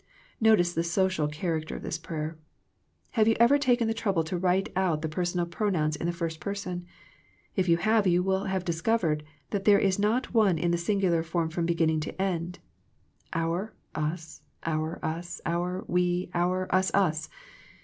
Notice the social character of this prayer. Have you ever taken the trouble to write out the per sonal pronouns in the first person ? If you have, you will have discovered that there is not one in the singular from beginning to end, — our, us, our, us, our, we, our, us, us.